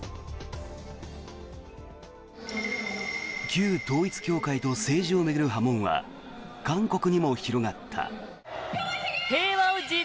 旧統一教会と政治を巡る波紋は韓国にも広がった。